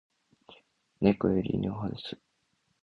猫より犬派です